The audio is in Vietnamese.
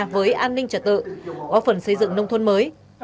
với an ninh trật tự góp phần xây dựng nông thôn mới